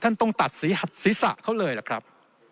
ท่านต้องตัดศีรษะเขาเลยละครับ